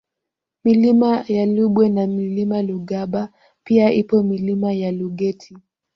Milima ya Lubwe na Mlima Lugaba pia ipo Milima ya Lugeti